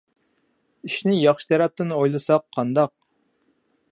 ئىشنى ياخشى تەرەپتىن ئويلىساق قانداق؟